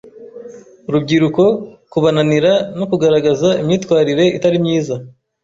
urubyiruko kubananira no kugaragaza imyitwarire itari myiza